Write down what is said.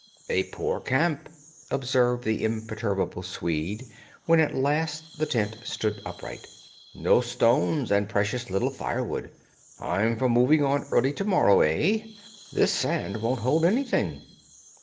"A poor camp," observed the imperturbable Swede when at last the tent stood upright, "no stones and precious little firewood. I'm for moving on early tomorrow—eh? This sand won't hold anything."